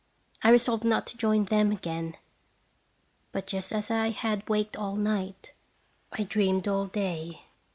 I resolved not to join them again. But just as I had waked all night, I dreamed all day.